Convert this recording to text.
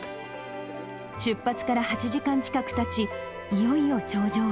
出発から８時間近くたち、いよいよ頂上へ。